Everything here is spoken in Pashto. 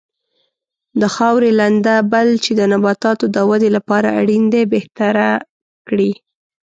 د خاورې لنده بل چې د نباتاتو د ودې لپاره اړین دی بهتره کړي.